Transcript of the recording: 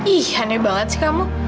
ih aneh banget sih kamu